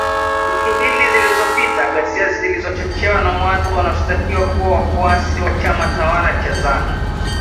Wiki mbili zilizopita ghasia zilizochochewa na watu wanaoshtakiwa kuwa wafuasi wa chama tawala cha zanu